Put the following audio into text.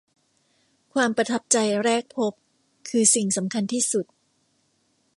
ความประทับใจแรกพบคือสิ่งสำคัญที่สุด